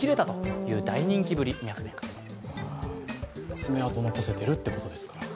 爪痕を残せているってことですから。